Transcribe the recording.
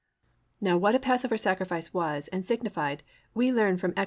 "+ Now what a passover sacrifice was and signified we learn from Ex.